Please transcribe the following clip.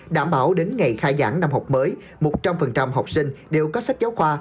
đảm bảo đến ngày khai giảng năm học mới một trăm linh học sinh đều có sách giáo khoa